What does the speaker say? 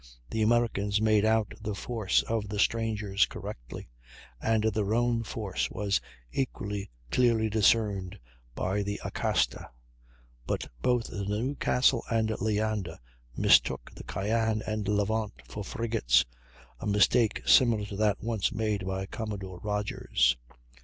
The Americans made out the force of the strangers correctly, and their own force was equally clearly discerned by the Acasta; but both the Newcastle and Leander mistook the Cyane and Levant for frigates, a mistake similar to that once made by Commodore Rodgers.